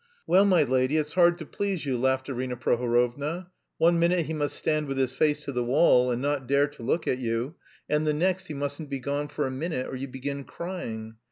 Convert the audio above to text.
"Well, my lady, it's hard to please you," laughed Arina Prohorovna, "one minute he must stand with his face to the wall and not dare to look at you, and the next he mustn't be gone for a minute, or you begin crying.